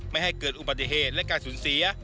ไม่ให้เกิดศึกษี